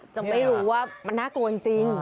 จะไม่รู้ว่ามันน่ากลัวจริง